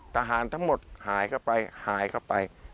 ทหารทั้งหมดหายเข้าไปหายเข้าไป